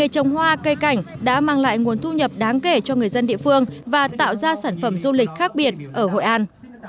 trồng hoa cây cảnh đã mang lại nguồn thu nhập đáng kể cho người dân địa phương và tạo ra sản phẩm du lịch khác biệt ở hội an